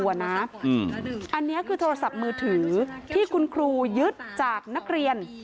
อันนี้คือโทรศัพท์มือถือที่คุณครูยึดจากนักเรียน